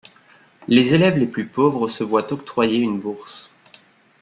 Les élèves les plus pauvres se voient octroyer une bourse.